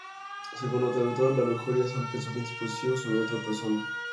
Según otro autor la lujuria son los pensamientos posesivos sobre otra persona.